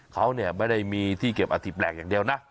เขาไม่ได้มีที่เก็บอาทิตย์แหลกอย่างเดียวนะ